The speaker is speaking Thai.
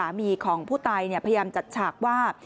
ของผู้ตายพยายามจัดฉากว่า